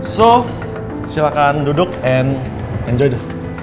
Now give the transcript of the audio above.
so silakan duduk and enjoy